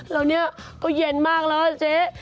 แล้วเนี่ยก็เย็นมากแล้วเจ๊